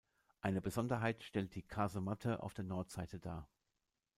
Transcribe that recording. Eine Besonderheit stellt die Kasematte auf der Nordseite dar.